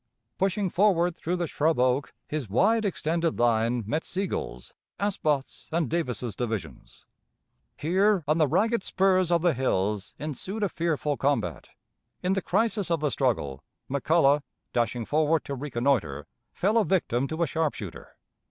Pushing forward through the shrub oak, his wide extended line met Sigel's, Asboth's, and Davis's divisions. Here on the ragged spurs of the hills ensued a fearful combat. In the crisis of the struggle, McCulloch, dashing forward to reconnoiter, fell a victim to a sharpshooter.